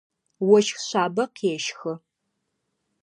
Ощх шъабэ къещхы.